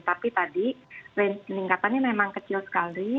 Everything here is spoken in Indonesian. tapi tadi range peningkatannya memang kecil sekali